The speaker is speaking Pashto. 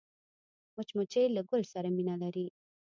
مچمچۍ له ګل سره مینه لري